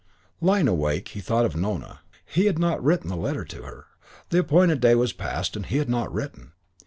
II Lying awake, he thought of Nona. He had not written the letter to her. The appointed day was past and he had not written.